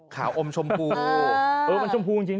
ขาวอมชมพู